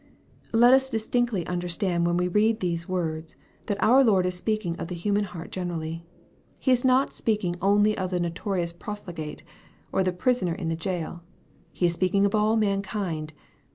Let us distinctly understand, when we read these words, that our Lord is speaking of the human heart generally. He is not speaking only of the notorious profligate, or the prisoner in the jail. He is speaking of all mankind.